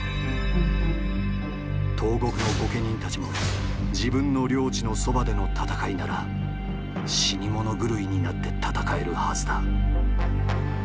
東国の御家人たちも自分の領地のそばでの戦いなら死に物狂いになって戦えるはずだ。